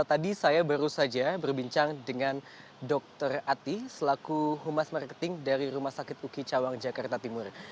tadi saya baru saja berbincang dengan dr ati selaku humas marketing dari rumah sakit uki cawang jakarta timur